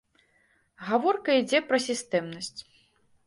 Гаворка ідзе пра сістэмнасць.